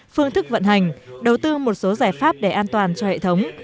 phương thức vận hành đầu tư một số giải pháp để an toàn cho hệ thống